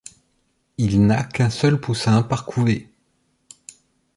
Il n'a qu'un seul poussin par couvée.